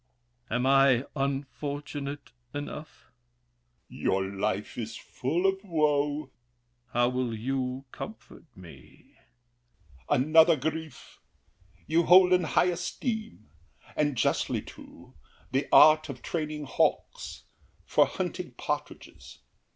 Am I unfortunate enough? L'ANGELY. Your life Is full of woe. THE KING. How will you comfort me? L'ANGELY. Another grief! You hold in high esteem, And justly too, the art of training hawks For hunting partridges.